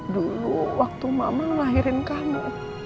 dulu waktu mama melahirin kamu